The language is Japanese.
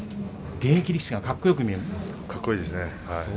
現役力士がかっこよく見えるんですね。